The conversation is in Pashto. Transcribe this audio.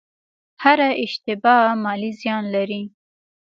هره اشتباه مالي زیان لري.